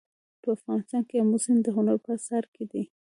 په افغانستان کې آمو سیند د هنر په اثار کې دی.